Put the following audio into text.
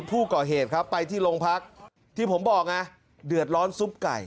ผู้ก่อเหตุครับไปที่โรงพักที่ผมบอกไงเดือดร้อนซุปไก่